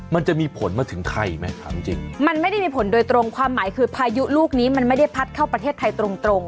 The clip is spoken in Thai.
มันจะมีผลมาถึงไทยไหมถามจริงมันไม่ได้มีผลโดยตรงความหมายคือพายุลูกนี้มันไม่ได้พัดเข้าประเทศไทยตรงตรง